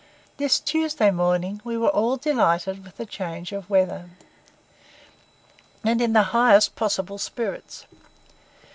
This Tuesday morning we were all delighted with the change of weather, and in the highest possible spirits.